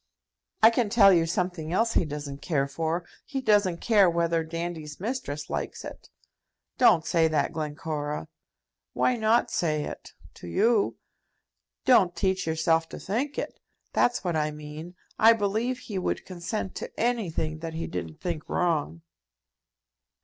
"I can tell you something else he doesn't care for. He doesn't care whether Dandy's mistress likes it." "Don't say that, Glencora." "Why not say it, to you?" "Don't teach yourself to think it. That's what I mean. I believe he would consent to anything that he didn't think wrong."